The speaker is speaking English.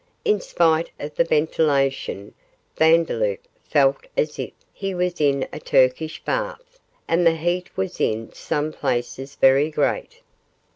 In spite of the ventilation, Vandeloup felt as if he was in a Turkish bath, and the heat was in some places very great.